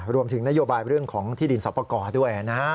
รวมถึงนโยบายเรื่องของที่ดินสอบประกอบด้วยนะฮะ